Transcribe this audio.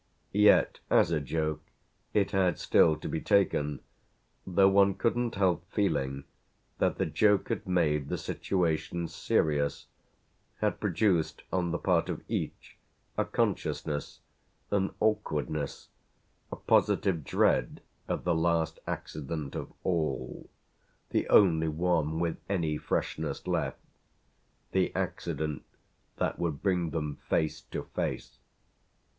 Yet as a joke it had still to be taken, though one couldn't help feeling that the joke had made the situation serious, had produced on the part of each a consciousness, an awkwardness, a positive dread of the last accident of all, the only one with any freshness left, the accident that would bring them face to face.